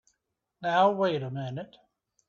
Now wait a minute!